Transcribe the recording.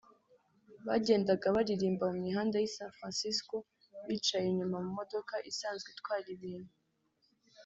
Bagendaga baririmba mu mihanda y’i San Francisco bicaye inyuma mu modoka isanzwe itwara ibintu